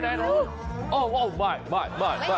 ไม่เห็น